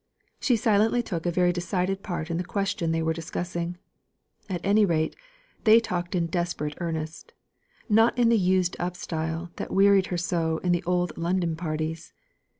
She silently took a very decided part in the question they were discussing. At any rate, they talked in desperate earnest, not in the used up style that wearied her so in the old London parties.